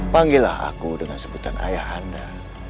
panggillah aku dengan sebutan ayah anda